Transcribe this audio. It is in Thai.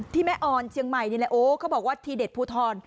แม่ออนเชียงใหม่นี่แหละโอ้เขาบอกว่าทีเด็ดภูทร